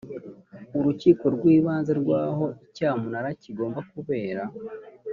ururkiko rw ibanze rw aho icyamunara kigomba kubera